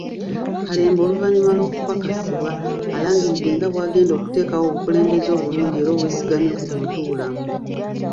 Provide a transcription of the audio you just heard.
Kalembe oluvannyuma lw'okukakasibwa alangiridde nga bw'agenda okuteekawo obukulembeze obulungi era obwesigamye ku buntubulamu.